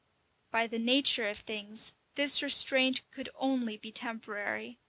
[] By the nature of things, this restraint could only be temporary.